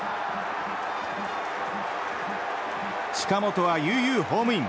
近本は悠々ホームイン。